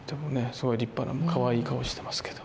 すごい立派なかわいい顔してますけど。